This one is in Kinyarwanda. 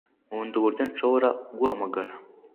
nkunda uburyo nshobora kuguhamagara